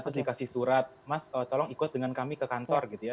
terus dikasih surat mas tolong ikut dengan kami ke kantor gitu ya